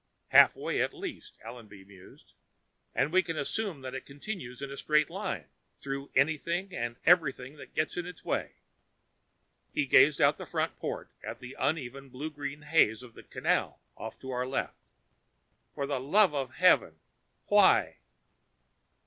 "Halfway at least," Allenby mused. "And we can assume that it continues in a straight line, through anything and everything that gets in its way...." He gazed out the front port at the uneven blue green haze of a 'canal' off to our left. "For the love of Heaven, why?"